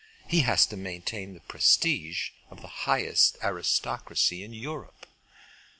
He has to maintain the prestige of the highest aristocracy in Europe."